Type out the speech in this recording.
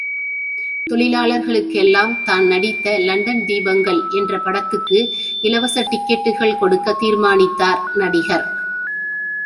தொழிலாளர்களுக்கெல்லாம் தான் நடித்த லண்டன் தீபங்கள் என்ற படத்துக்கு இலவச டிக்கெட்டுகள் கொடுக்கத் தீர்மானித்தார் நடிகர்.